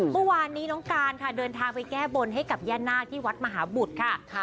เมื่อวานนี้น้องการค่ะเดินทางไปแก้บนให้กับย่านาคที่วัดมหาบุตรค่ะ